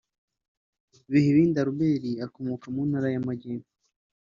Bihibindi Albert ukomoka mu ntara y’Amajyepfo